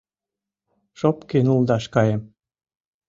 - Шопке нулдаш каем.